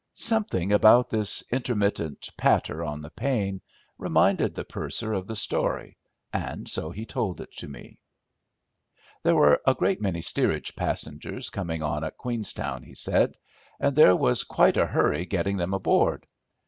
Something about this intermittent patter on the pane reminded the purser of the story, and so he told it to me. There were a great many steerage passengers coming on at Queenstown, he said, and there was quite a hurry getting them aboard.